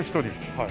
はい。